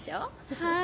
はい。